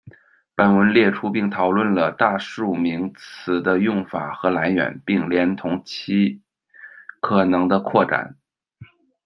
本文列出并讨论了大数名词的用法和来源，并连同其可能的扩展。